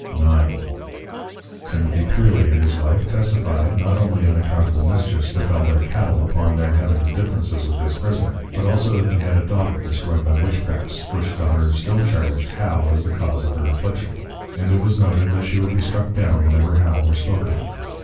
IX. Timothy Pearley and his Wife, testifyd, Not only unaccountable Mischiefs befel their Cattle, upon their having of Differences with this Prisoner: but also that they had a Daughter destroyed by Witchcrafts; which Daughter still charged How as the Cause of her Affliction. And it was noted, that she would be struck down whenever How were spoken of.